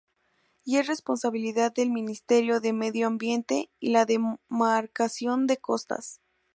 Y es responsabilidad del Ministerio de Medio Ambiente y la Demarcación de Costas.